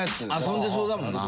遊んでそうだもんな。